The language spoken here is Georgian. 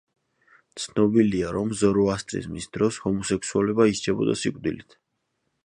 ცნობილია, რომ ზოროასტრიზმის დროს ჰომოსექსუალობა ისჯებოდა სიკვდილით.